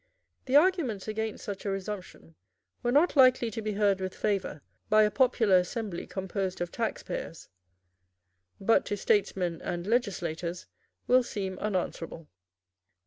The arguments against such a resumption were not likely to be heard with favour by a popular assembly composed of taxpayers, but to statesmen and legislators will seem unanswerable.